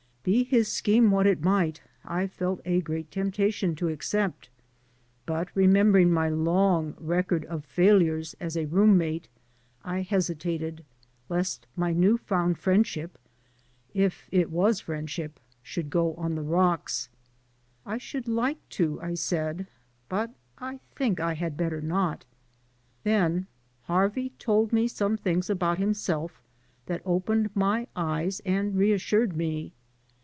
Be his scheme what it might, I felt a great temptation to accept. But, remembering my long record of failures as a room mate, I hesitated lest my new found friendship (if it was friendship) should go on the rocks. "I should like to," I said, "but I think I had better not." Then Harvey told me some things about himself that opened my eyes and reassured me.